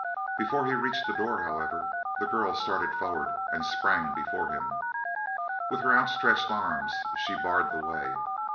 Before he reached the door, however, the girl started forward and sprang before him. With her outstretched arms she barred the way.